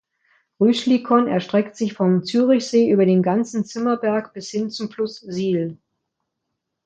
Rüschlikon erstreckt sich vom Zürichsee über den ganzen Zimmerberg bis hin zum Fluss Sihl.